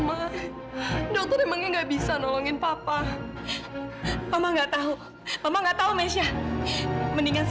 aku gak bisa jadi pembunuh kayak dia